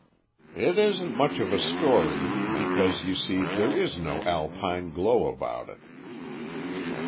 "It isn't much of a story, because, you see, there is no Alpine glow about it."